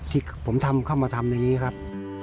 ที่ผมทำเข้ามาทำอย่างนี้ครับ